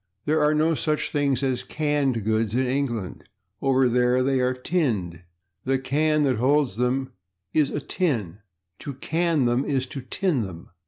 There are no such things as /canned goods/ in England; over there they are /tinned/. The /can/ that holds them is a /tin/; /to can/ them is /to tin/ them....